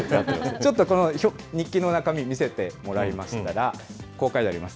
ちょっと日記の中身、見せてもらいましたら、こう書いてあります。